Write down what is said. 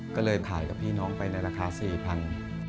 ก็เลยขายกับพี่น้องไปในราคา๔๐๐บาท